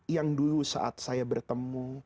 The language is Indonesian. yang dulu saat saya bertemu